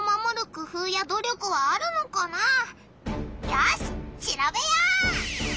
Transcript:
よししらべよう！